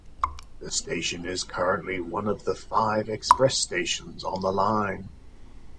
The station is currently one of the five express stations on the line.